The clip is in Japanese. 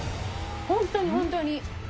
本当に本当に。